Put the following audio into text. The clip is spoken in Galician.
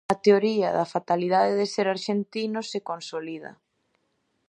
A teoría da fatalidade de ser arxentinos se consolida.